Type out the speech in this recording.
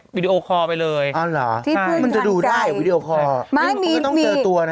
ผ่านวิดีโอคอล์ไปเลยมันจะดูได้วิดีโอคอล์